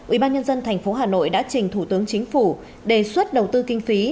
ubnd tp hà nội đã trình thủ tướng chính phủ đề xuất đầu tư kinh phí